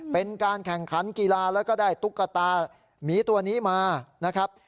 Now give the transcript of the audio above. เป็นการแข่งขันกีฬาแล้วก็ได้ตุ๊กตาหมีตัวนี้มานะครับ